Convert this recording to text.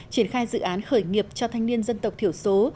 triển khai dự án khởi nghiệp cho thanh niên dân tộc thiểu số